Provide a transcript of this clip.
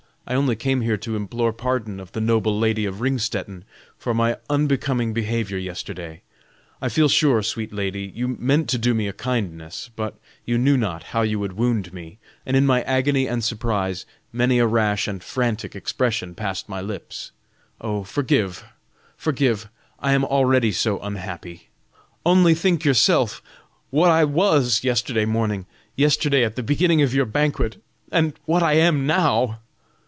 I only came here to implore pardon of the noble lady of Ringstetten for my unbecoming behavior yesterday. I feel sure, sweet lady, you meant to do me a kindness, but you knew not how you would wound me, and in my agony and surprise, many a rash and frantic expression passed my lips. Oh forgive, forgive! I am already so unhappy. Only think yourself what I was yesterday morning, yesterday at the beginning of your banquet, and what I am now!"